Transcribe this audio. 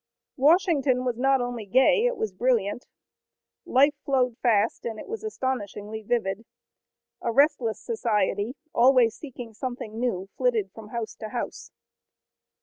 Washington was not only gay, it was brilliant. Life flowed fast and it was astonishingly vivid. A restless society, always seeking something new flitted from house to house.